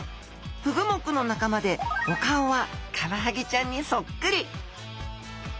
フグ目の仲間でお顔はカワハギちゃんにそっくり！